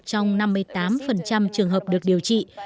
trong năm mươi tám trường hợp được điều trị